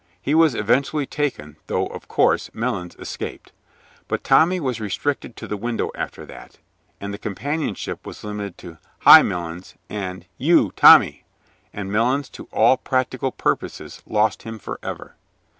He was eventually taken, though, of course, Melons escaped. But Tommy was restricted to the window after that, and the companionship was limited to "Hi Melons!" and "You Tommy!" and Melons to all practical purposes, lost him forever.